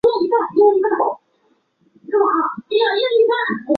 星空下的人们天天改变